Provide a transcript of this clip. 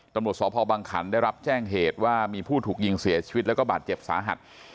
ตำรวจสพบังขันได้รับแจ้งเหตุว่ามีผู้ถูกยิงเสียชีวิตแล้วก็บาดเจ็บสาหัส